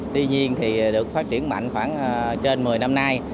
tuy nhiên thì được phát triển mạnh khoảng trên một mươi năm nay